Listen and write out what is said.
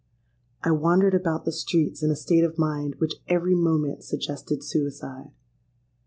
I wandered about the streets in a state of mind which every moment suggested suicide.